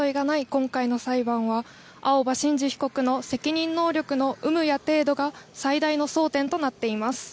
今回の裁判は青葉真司被告の責任能力の有無や程度が最大の争点となっています。